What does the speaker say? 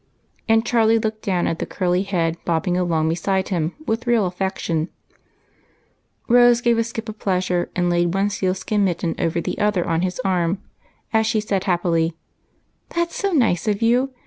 and Charlie looked down at the curly head bobbing along beside him, with real affection in his face. Rose gave a skip of pleasure, and laid one seal skin mitten over the other on his arm, as she said hap pily*— 276 EIGHT COUSINS. " That 's so nice of you